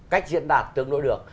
cách diễn đạt tương đối được